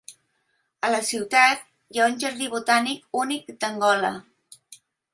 A la ciutat hi ha un jardí botànic únic d'Angola.